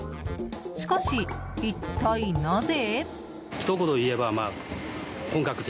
しかし、一体なぜ？